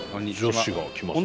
女子が来ましたね。